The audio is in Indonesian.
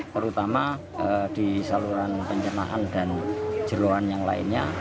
terutama di saluran pencernaan dan jeruan yang lainnya